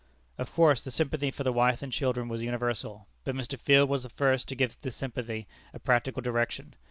Of course, the sympathy for the wife and children was universal, but Mr. Field was the first to give this sympathy a practical direction.